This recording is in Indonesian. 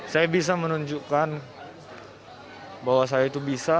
saya bisa menunjukkan bahwa saya itu bisa